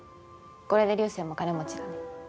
これで流星もお金持ちだね。